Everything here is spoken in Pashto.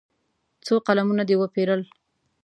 څو قلمونه دې وپېرل.